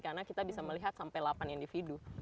karena kita bisa melihat sampai delapan individu